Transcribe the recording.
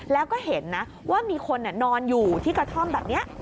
แล้วก็เห็นนะว่ามีคนนอนอยู่ที่กระท่อมแบบนี้